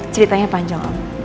ceritanya panjang om